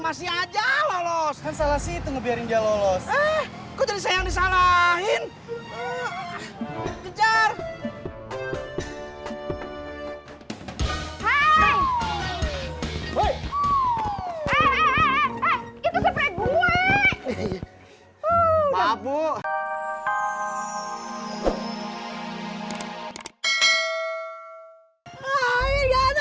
amin gak tau ini tipe